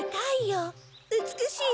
うつくしい